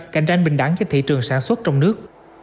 cạnh tranh bình đẳng cho thị trường sản xuất trong nước